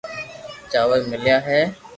چاور ميليا ھي